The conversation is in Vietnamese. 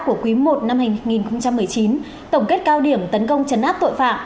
của quý i năm hai nghìn một mươi chín tổng kết cao điểm tấn công chấn áp tội phạm